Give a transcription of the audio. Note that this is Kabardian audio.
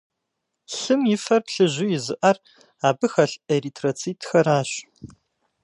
Лъым и фэр плыжьу изыӀэр абы хэлъ эритроцитхэращ.